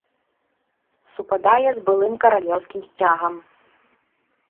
Супадае з былым каралеўскім сцягам.